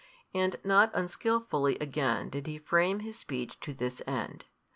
And not unskilfully again did He frame His speech to this end.